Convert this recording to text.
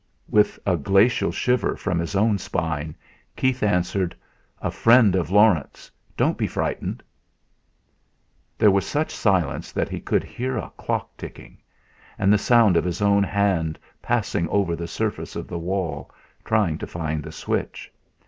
With a glacial shiver down his own spine, Keith answered "A friend of Laurence. Don't be frightened!" There was such silence that he could hear a clock ticking, and the sound of his own hand passing over the surface of the wall, trying to find the switch.